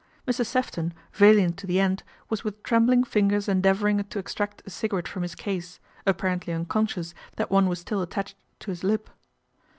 Mr. Sefton, valiant to the end, was with trem bling fingers endeavouring to extract a cigarette from his case, apparently unconscious that one was still attached to his lip.